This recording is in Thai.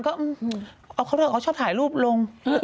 เขาจะไปวันไหน๓๐แล้วหรือครูแม่